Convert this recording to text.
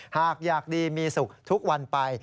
หากอยากดีมีสุขทุกวันไป